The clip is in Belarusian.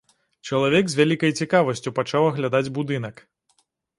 Чалавек з вялікай цікавасцю пачаў аглядаць будынак.